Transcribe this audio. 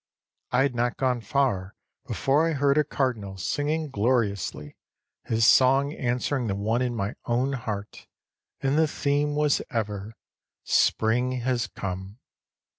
I had not gone far before I heard a cardinal singing gloriously, his song answering the one in my own heart; and the theme was ever, "Spring has come!"